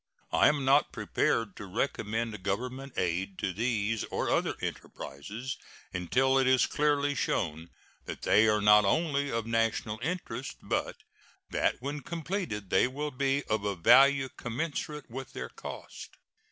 I am not prepared to recommend Government aid to these or other enterprises until it is clearly shown that they are not only of national interest, but that when completed they will be of a value commensurate with their cost.